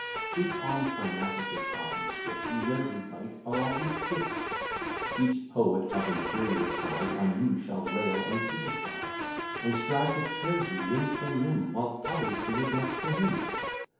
If on Parnassus' top you sit, You rarely bite, are always bit: Each poet of inferior size On you shall rail and criticise, And strive to tear you limb from limb; While others do as much for him.